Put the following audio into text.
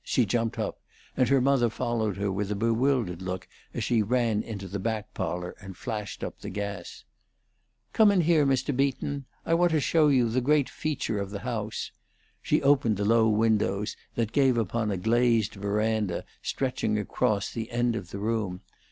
She jumped up, and her mother followed her with a bewildered look as she ran into the back parlor and flashed up the gas. "Come in here, Mr. Beaton. I want to show you the great feature of the house." She opened the low windows that gave upon a glazed veranda stretching across the end of the room.